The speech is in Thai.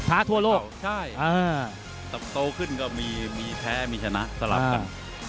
ท้าทั่วโลกใช่อ่าต่อขึ้นก็มีมีแพ้มีชนะสลับกัน